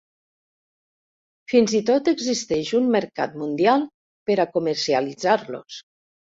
Fins i tot existeix un mercat mundial per a comercialitzar-los.